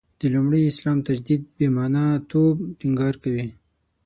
د لومړي اسلام تجدید «بې معنا» توب ټینګار کوي.